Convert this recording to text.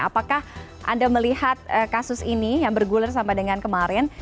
apakah anda melihat kasus ini yang bergulir sampai dengan kemarin